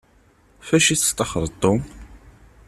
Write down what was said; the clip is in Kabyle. Ɣef acu i testaxṛeḍ Tom?